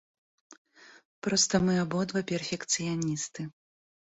Проста мы абодва перфекцыяністы.